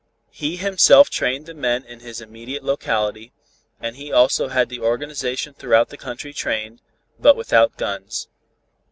He himself trained the men in his immediate locality, and he also had the organization throughout the country trained, but without guns.